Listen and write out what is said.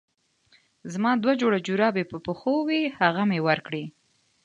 زما دوه جوړه جرابې په پښو وې هغه مې ورکړې.